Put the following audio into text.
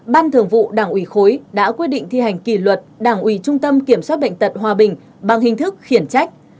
ban thường vụ đảng ủy khối đã quyết định thi hành kỷ luật đảng ủy trung tâm kiểm soát bệnh tật hòa bình bằng hình thức khiển trách